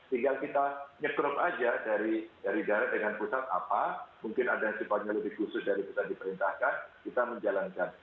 tinggal kita nyekrup aja dari daerah dengan pusat apa mungkin ada yang sifatnya lebih khusus dari pusat diperintahkan kita menjalankan